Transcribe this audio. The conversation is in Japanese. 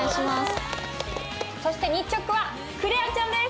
そして日直はくれあちゃんです。